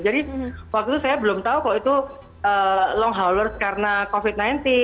jadi waktu itu saya belum tahu kok itu long haulers karena covid sembilan belas